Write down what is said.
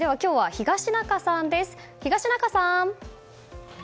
東中さん。